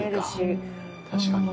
確かに。